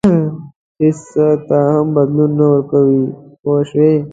هېڅ څه ته هم بدلون نه ورکوي پوه شوې!.